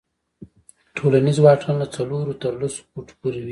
ټولنیز واټن له څلورو تر لسو فوټو پورې وي.